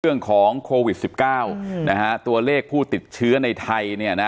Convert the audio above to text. เรื่องของโควิด๑๙นะฮะตัวเลขผู้ติดเชื้อในไทยเนี่ยนะ